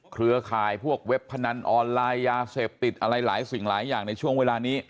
เครือข่ายพวกเว็บพนันออนไลน์ยาเสพติดอะไรหลายสิ่งหลายอย่างในช่วงเวลานี้